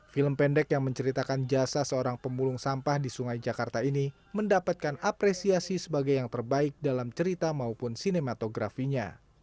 film pendek yang menceritakan jasa seorang pemulung sampah di sungai jakarta ini mendapatkan apresiasi sebagai yang terbaik dalam cerita maupun sinematografinya